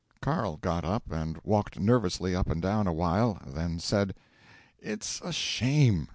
Carl got up, and walked nervously up and down a while, then said: '"It's a shame!